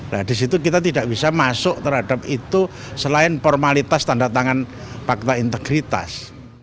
nah disitu kita tidak bisa masuk terhadap itu selain formalitas tanda tangan fakta integritas